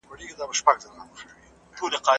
که چیرې تاسو ډیر خوله کوئ، باید ډاکټر ته ورشئ.